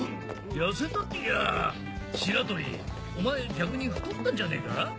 痩せたっていやぁ白鳥お前逆に太ったんじゃねえか？